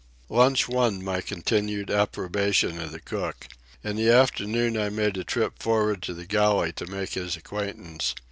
Lunch won my continued approbation of the cook. In the afternoon I made a trip for'ard to the galley to make his acquaintance.